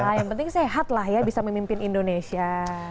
yang penting sehat lah ya bisa memimpin indonesia